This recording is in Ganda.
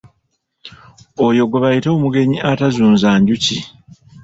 Oyo gwe bayita omugenyi atazunza njuki.